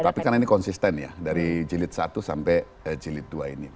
tapi karena ini konsisten ya dari jilid satu sampai jilid dua ini